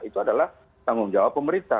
itu adalah tanggung jawab pemerintah